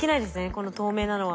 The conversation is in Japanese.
この透明なのは。